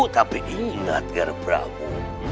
tapi ingat ger prabu